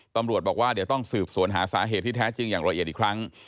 ตำรวจบอกว่าเดี๋ยวต้องสืบสวนหาสาเหตุที่แท้จริงอย่างละเอียดอีกครั้ง